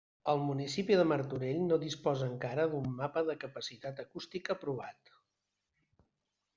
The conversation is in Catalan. El municipi de Martorell no disposa encara d'un mapa de capacitat acústica aprovat.